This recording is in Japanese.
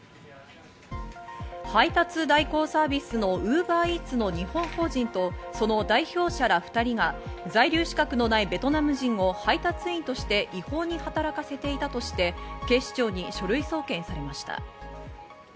配達代行サービスのウーバーイーツの日本法人とその代表者ら２人が在留資格のないベトナム人を配達員として違法に働かせていたとして、警視庁に書類送検されました。